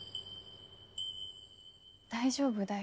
大丈夫だよ